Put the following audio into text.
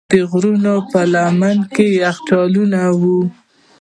د غرونو په لمنو کې یخچالونه وي.